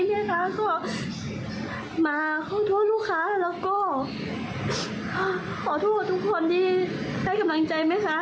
แม่ค้าก็มาขอโทษลูกค้าแล้วก็ขอโทษทุกคนที่ให้กำลังใจแม่ค้า